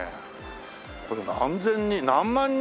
これ何千人何万人？